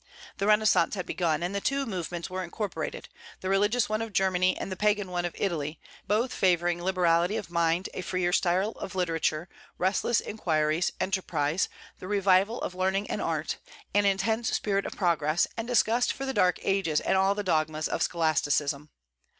The Renaissance had begun, and the two movements were incorporated, the religious one of Germany and the Pagan one of Italy, both favoring liberality of mind, a freer style of literature, restless inquiries, enterprise, the revival of learning and art, an intense spirit of progress, and disgust for the Dark Ages and all the dogmas of scholasticism.